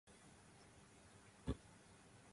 明日は午後から雨が降るでしょう。